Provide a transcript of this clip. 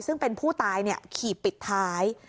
ซึ่งเป็นผู้ตายขี่ปิดท้าย